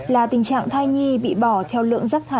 là tình trạng thai nhi bị bỏ theo lượng rác thải của nước cà mau